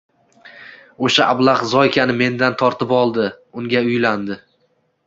Oʻsha ablah Zoykani mendan tortib oldi, unga uylandi